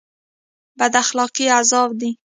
بد اخلاقي عذاب دی